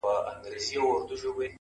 د تورو سترگو وه سورخۍ ته مي،